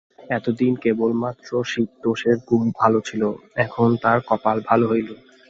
এতদিন কেবলমাত্র শিবতোষের কুল ভালো ছিল, এখন তার কপাল ভালো হইল।